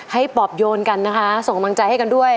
ปอบโยนกันนะคะส่งกำลังใจให้กันด้วย